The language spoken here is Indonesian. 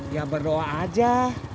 ya berdoa aja